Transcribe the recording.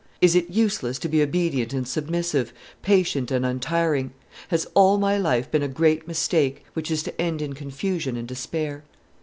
"Is it useless to be obedient and submissive, patient and untiring? Has all my life been a great mistake, which is to end in confusion and despair?"